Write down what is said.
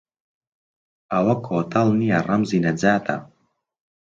ئەوە کۆتەڵ نییە ڕەمزی نەجاتە